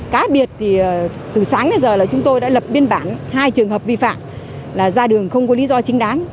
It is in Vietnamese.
cá biệt thì từ sáng đến giờ là chúng tôi đã lập biên bản hai trường hợp vi phạm là ra đường không có lý do chính đáng